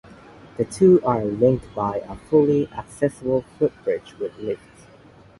The two are linked by a fully accessible footbridge with lifts.